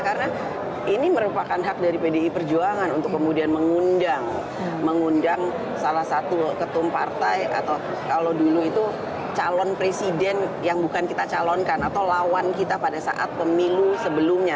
karena ini merupakan hak dari pdi perjuangan untuk kemudian mengundang salah satu ketum partai atau kalau dulu itu calon presiden yang bukan kita calonkan atau lawan kita pada saat pemilu sebelumnya